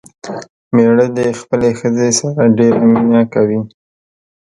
مېړه دې خپلې ښځې سره ډېره مينه کوي